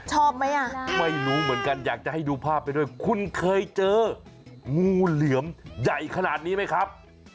ชอบไหมอ่ะไม่รู้เหมือนกันอยากจะให้ดูภาพไปด้วยคุณเคยเจองูเหลือมใหญ่ขนาดนี้ไหมครับ